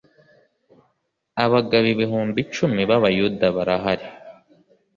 Abagabo ibihumbi icumi b’ Abayuda barahari.